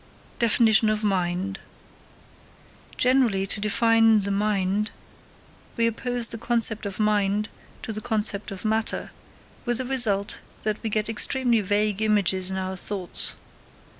Definition of Mind. Generally, to define the mind, we oppose the concept of mind to the concept of matter, with the result that we get extremely vague images in our thoughts.